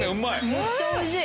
めっちゃおいしい。